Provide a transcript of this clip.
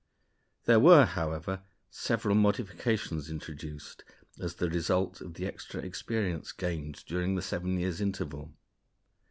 There were, however, several modifications introduced, as the result of the extra experience gained during the seven years' interval.